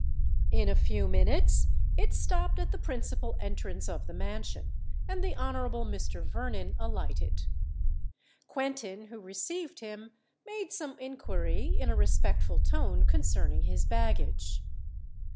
In a few minutes it stopped at the principal entrance of the mansion; and the Honourable Mr. Vernon alighted. Quentin, who received him, made some inquiry in a respectful tone concerning his baggage.